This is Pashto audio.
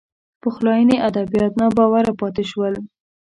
پخلاینې ادبیات ناباوره پاتې شول